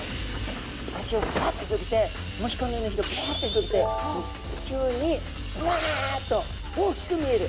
足をパッと広げてモヒカンのようなひれパッと広げて急にブワッと大きく見える。